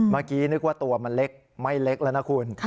เมื่อกี้นึกว่าตัวมันเล็กไม่เล็กแล้วนะคุณ